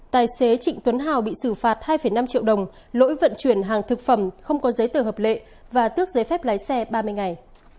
tài xế trịnh tuấn hào bị xử phạt hai năm triệu đồng lỗi vận chuyển hàng thực phẩm không có giấy tờ hợp lệ và tước giấy phép lái xe ba mươi ngày